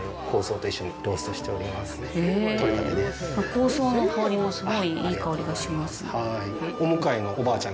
香草の香りもすごいいい香りがします。